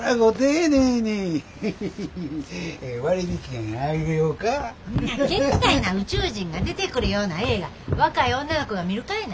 んなけったいな宇宙人が出てくるような映画若い女の子が見るかいな。